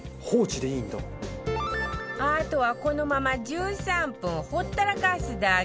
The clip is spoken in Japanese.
あとはこのまま１３分ほったらかすだけ